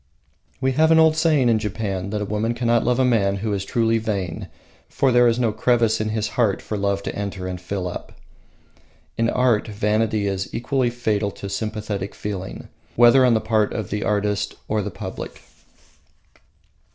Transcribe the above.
We have an old saying in Japan that a woman cannot love a man who is truly vain, for their is no crevice in his heart for love to enter and fill up. In art vanity is equally fatal to sympathetic feeling, whether on the part of the artist or the public.